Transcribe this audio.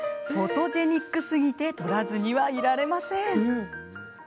フォトジェニックすぎて撮らずにはいられません。